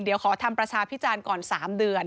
เดี๋ยวขอทำประชาพิจารณ์ก่อน๓เดือน